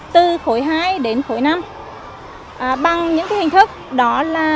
từ khối hai đến khối năm bằng những cái hình thức đó là